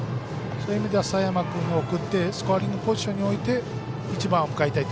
そういう意味では佐山君で送ってスコアリングポジションに置いて１番を迎えたい。